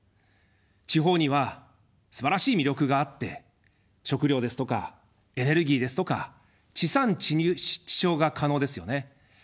地方にはすばらしい魅力があって食料ですとかエネルギーですとか地産地消が可能ですよね。